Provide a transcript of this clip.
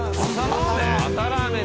朝ラーメン？